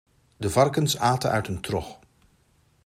De varkens aten uit een trog.